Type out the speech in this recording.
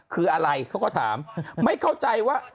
คืออะไรเขาก็ถามไม่เข้าใจว่า